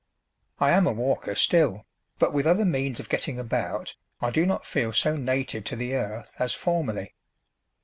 I am a walker still, but with other means of getting about I do not feel so native to the earth as formerly.